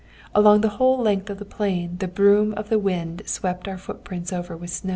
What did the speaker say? Along the whole length of the plain the broom of the wind swept our footprints over with snow.